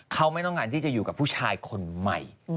เขาไม่ต้องการที่จะอยู่กับผู้ชายคนใหม่